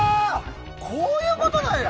こういうことなんや！